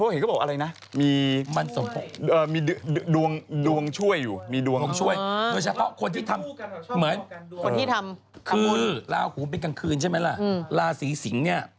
เห็นมาพ๐๕เห็นก็บอกว่าอะไรน่ะมันส่งผล